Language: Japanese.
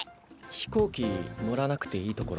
飛行機乗らなくていい所。